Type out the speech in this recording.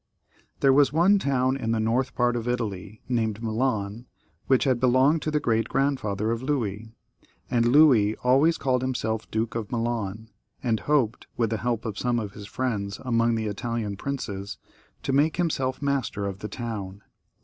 There was one town in the north part of Italy named Milan, which had belonged to the great grandfather of Louis, and Louis always called himself Duke of Milan, and hoped, with the help of some of his friends among the Italian princes, to make himself master of the town.